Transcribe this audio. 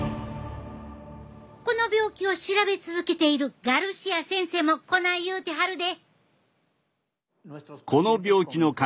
この病気を調べ続けているガルシア先生もこない言うてはるで。